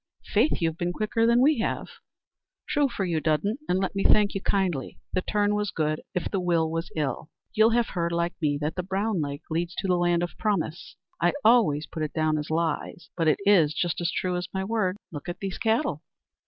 "Faith you've been quicker than we have." "True for you, Dudden, and let me thank you kindly; the turn was good, if the will was ill. You'll have heard, like me, that the Brown Lake leads to the Land of Promise. I always put it down as lies, but it is just as true as my word. Look at the cattle."